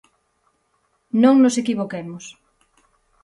Non nos equivoquemos.